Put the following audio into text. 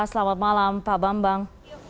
selamat malam pak bambang